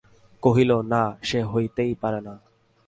কহিল, না, সে হইতেই পারে না।